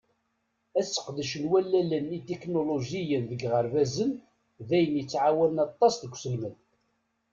Aseqdec n wallalen itiknulujiyen deg yiɣerbazen d ayen yettƐawanen aṭas deg uselmed.